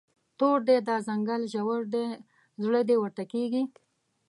تور دی، دا ځنګل ژور دی، زړه دې ورته کیږي